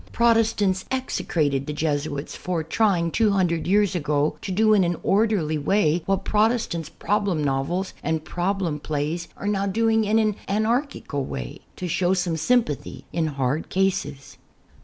Protestants execrated the Jesuits for trying two hundred years ago to do in an orderly way what Protest ants' problem novels and problem plays are now doing in an anarchical way ; to show some sympathy in hard cases.